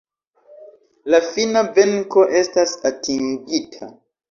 La fina venko estas atingita!!